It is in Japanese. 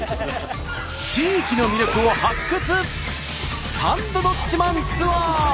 地域の魅力を発掘！